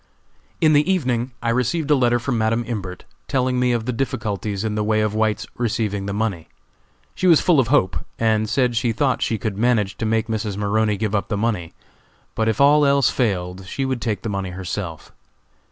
In the evening I received a letter from Madam Imbert, telling me of the difficulties in the way of White's receiving the money. She was full of hope, and said she thought she could manage to make Mrs. Maroney give up the money; but if all else failed she would take the money herself.